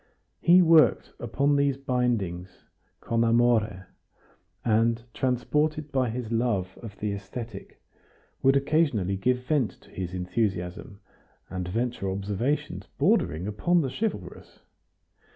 He worked upon these bindings con amore, and, transported by his love of the aesthetic, would occasionally give vent to his enthusiasm, and venture observations bordering upon the chivalrous.